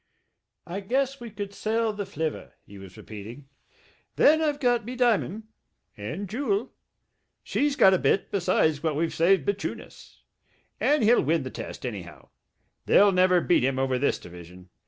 "I guess we could sell the flivver " he was repeating. "Then I've got me diamond ... and Jewel ... she's got a bit, besides what we've saved bechune us. And he'll win the test, anyhow ... they'll never beat him over this division